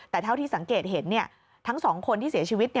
แต่เท่าที่สังเกตเห็นทั้ง๒คนที่เสียชีวิต